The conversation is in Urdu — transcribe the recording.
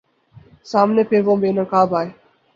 سامنے پھر وہ بے نقاب آئے